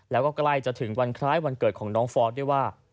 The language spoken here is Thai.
แล้วก็ใกล้จะถึงวันคล้ายวันเกิดของน้องฟอสด้วยว่า